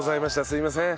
すいません。